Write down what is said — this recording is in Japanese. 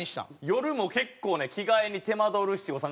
夜も結構ね着替えに手間取る七五三があるの結構。